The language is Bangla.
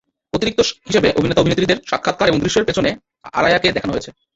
অতিরিক্ত হিসেবে অভিনেতা-অভিনেত্রীদের সাক্ষাৎকার এবং দৃশ্যের পেছনে আরায়াকে দেখানো হয়েছে।